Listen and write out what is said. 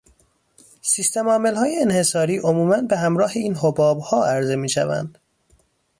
سیستمعاملهای انحصاری عموماً به همراه این حبابها عرضه میشوند